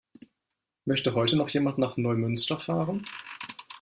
Möchte heute noch jemand nach Neumünster fahren?